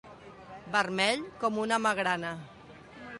Vermell com una magrana.